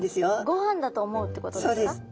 ごはんだと思うってことですか？